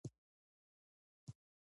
خرما د نیمروز نښه ده.